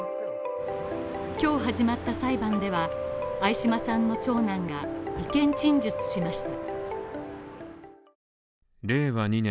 今日始まった裁判では、相嶋さんの長男が意見陳述しました。